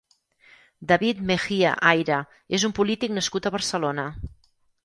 David Mejía Ayra és un polític nascut a Barcelona.